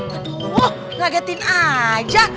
aduh ngagetin aja